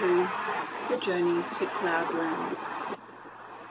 THE JOURNEY TO CLOUD LAND.